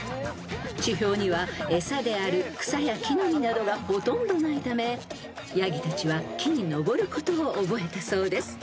［地表には餌である草や木の実などがほとんどないためヤギたちは木に登ることを覚えたそうです］